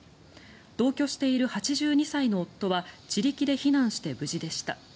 同居している８２歳の夫は自力で避難して無事でした。